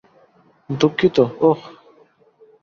দুঃখিত, ওহ।